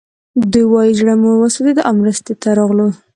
دوی وايي زړه مو وسوځېد او مرستې ته راغلو